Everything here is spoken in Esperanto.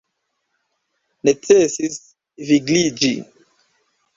Necesis vigliĝi!